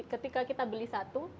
ketika kita beli satu